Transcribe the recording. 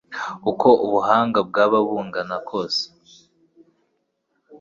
Uko ubuhanga bwaba bungana kose,